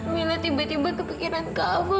mila tiba tiba kepikiran kamu